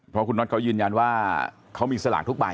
เพราะคุณน็อตเขายืนยันว่าเขามีสลากทุกใบ